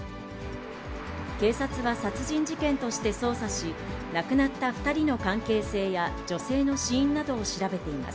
警察は殺人事件として捜査し、亡くなった２人の関係性や女性の死因などを調べています。